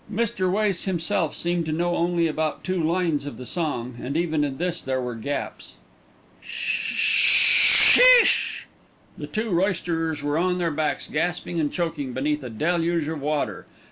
Mr. Wace himself seemed to know only about two lines of the song, and even in this there were gaps. "Shisssssssssssh!" The two roysterers were on their backs gasping and choking beneath a deluge of water.